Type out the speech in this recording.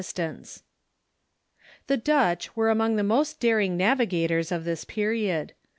book iv.] The Dutch were among the most daring navigators of this period.